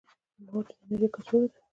موج د انرژي کڅوړه ده.